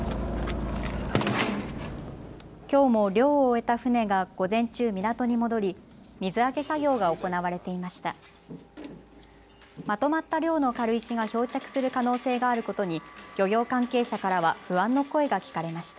きょうも漁を終えた船が午前中、港に戻り水揚げ作業が行われていました。